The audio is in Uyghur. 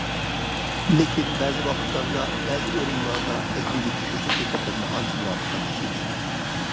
لېكىن بەزى ۋاقىتلاردا بەزى ئورۇنلاردا رەسىمگە چۈشۈش ھەقىقەتەنمۇ ئانچە مۇۋاپىق ئەمەس ئىدى.